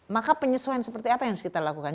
maka penyesuaian seperti apa yang harus kita lakukan